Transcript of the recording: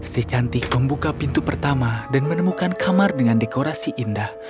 si cantik membuka pintu pertama dan menemukan kamar dengan dekorasi indah